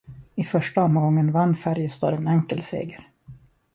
I första omgången vann Färjestad en enkel seger.